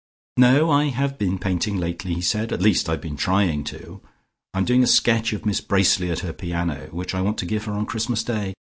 "No, I have been painting lately," he said, "at least I have been trying to. I'm doing a little sketch of Miss Bracely at her piano, which I want to give her on Christmas Day.